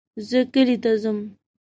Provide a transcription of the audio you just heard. زه کلي ته ځم